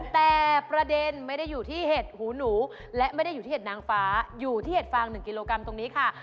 แต่ประเด็นไม่ได้อยู่ที่เห็ดหูหนูและไม่ได้อยู่ที่เห็ดนางฟ้าอยู่ที่เห็ดฟาง๑กิโลกรัมตรงนี้ค่ะ